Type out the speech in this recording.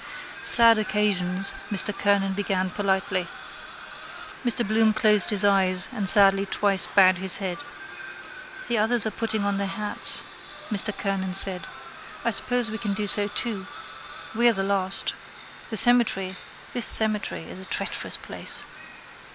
—Sad occasions, Mr Kernan began politely. Mr Bloom closed his eyes and sadly twice bowed his head. —The others are putting on their hats, Mr Kernan said. I suppose we can do so too. We are the last. This cemetery is a treacherous place.